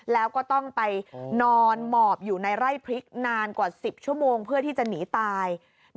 แล้วก็ต้องไปนอนหมอบอยู่ในไร่พริกนานกว่า๑๐ชั่วโมงเพื่อที่จะหนีตาย